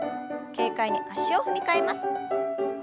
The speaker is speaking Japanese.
軽快に脚を踏み替えます。